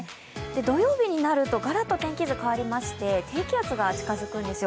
土曜日になるとガラッと天気図、変わりまして低気圧が近づくんですよ。